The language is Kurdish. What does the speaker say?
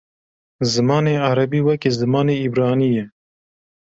Zimanê erebî wekî zimanê îbranî ye.